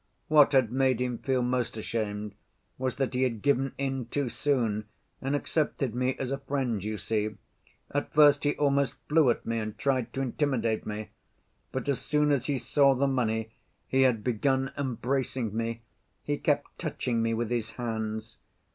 What had made him feel most ashamed was that he had given in too soon and accepted me as a friend, you see. At first he almost flew at me and tried to intimidate me, but as soon as he saw the money he had begun embracing me; he kept touching me with his hands.